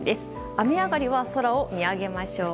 雨上がりは空を見上げましょう。